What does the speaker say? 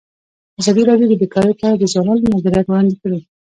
ازادي راډیو د بیکاري په اړه د ځوانانو نظریات وړاندې کړي.